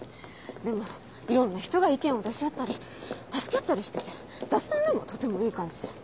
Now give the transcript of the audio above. でもいろんな人が意見を出し合ったり助け合ったりしてて雑談ルームはとてもいい感じで。